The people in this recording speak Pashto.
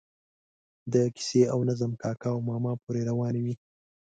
د کیسې او نظم کاکا او ماما پورې روانې وي.